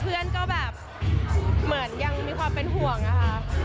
เพื่อนก็แบบเหมือนยังมีความเป็นห่วงอะค่ะ